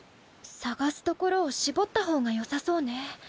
捜す所を絞った方がよさそうね。